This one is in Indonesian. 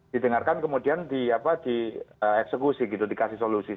didengarkan kemudian dieksekusi gitu dikasih solusi